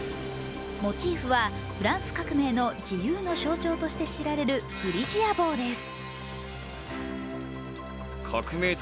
モチーフはフランス革命の自由の象徴として知られるフリジア帽です。